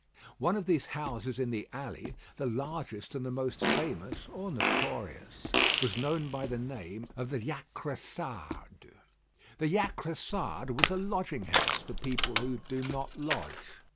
One of these houses in the alley the largest and the most famous, or notorious was known by the name of the Jacressade. The Jacressade was a lodging house for people who do not lodge.